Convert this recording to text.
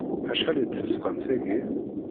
Acḥal i d-tesqam tagi?